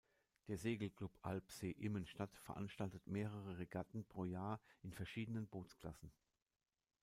Der Segelclub Alpsee-Immenstadt veranstaltet mehrere Regatten pro Jahr in verschiedenen Bootsklassen.